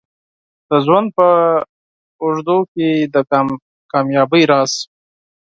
د ژوند په اوږدو کې د کامیابۍ راز